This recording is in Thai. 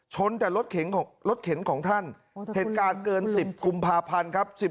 รถเข็นของท่านเหตุการณ์เกิน๑๐กุมภาพันธ์ครับ